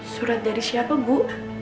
surat dari siapa bu